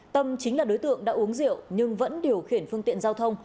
tâm chính là đối tượng đã uống rượu nhưng vẫn điều khiển phương tiện giao thông